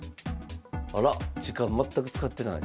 あら時間全く使ってない。